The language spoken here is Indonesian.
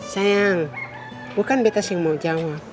sayang bukan beta sim mau jawab